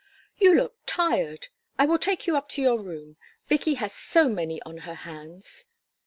II "You look tired I will take you up to your room. Vicky has so many on her hands."